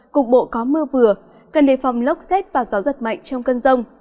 cục bộ có mưa vừa cần đề phòng lốc xét và gió giật mạnh trong cơn rông